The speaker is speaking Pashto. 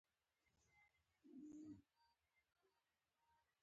تاسو بایلونکی یاست